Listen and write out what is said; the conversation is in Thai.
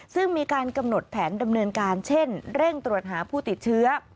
ซึ่งมีการกำหนดแผนดำเนินการเช่นเร่งตรวจหาผู้ติดเชื้อ